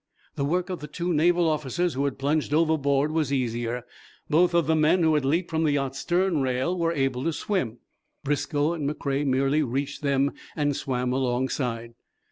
The work of the two Naval officers who had plunged overboard was easier. Both of the men who had leaped from the yacht's stern rail were able to swim. Briscoe and McCrea merely reached them and swam alongside.